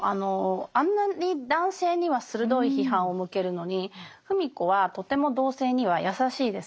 あんなに男性には鋭い批判を向けるのに芙美子はとても同性には優しいです。